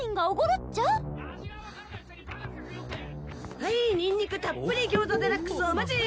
はいニンニクたっぷりギョーザデラックスお待ち。